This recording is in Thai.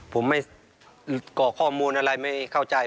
ผมไม่ก่อข้อมูลอะไรไม่เข้าใจ